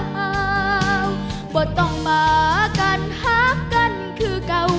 ไม่ต้องมาก่อนหักกันคือเก่า